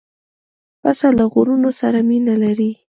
پسه له غرونو سره مینه لري.